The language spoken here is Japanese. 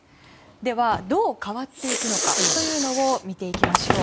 では、どう変わっていくのかというのを見ていきましょう。